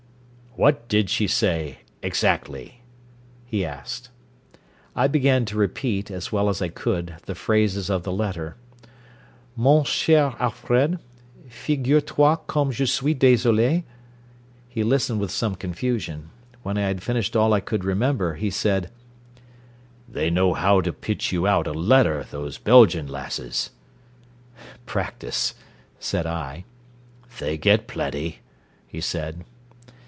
"What did she say, exactly?" he asked. I began to repeat, as well as I could, the phrases of the letter: "Mon cher Alfred, Figure toi comme je suis désolée " He listened with some confusion. When I had finished all I could remember, he said: "They know how to pitch you out a letter, those Belgian lasses." "Practice," said I. "They get plenty," he said.